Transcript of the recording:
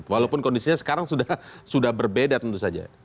walaupun kondisinya sekarang sudah berbeda tentu saja